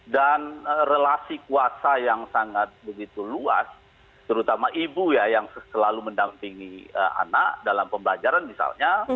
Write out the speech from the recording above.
dan relasi kuasa yang sangat begitu luas terutama ibu ya yang selalu mendampingi anak dalam pembelajaran misalnya